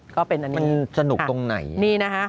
มันสนุกตรงไหน